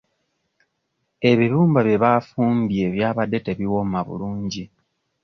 Ebibumba bye baafumbye byabadde tebiwooma bulungi.